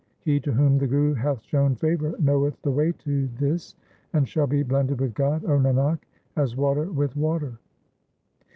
He to whom the Guru hath shown favour knoweth the way to this, And shall be blended with God, O Nanak, as water with water.